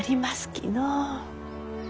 きのう。